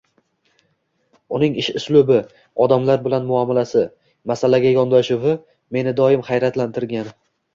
Uning ish uslubi, odamlar bilan muomalasi, masalaga yondashuvi meni doim hayratlantirgan.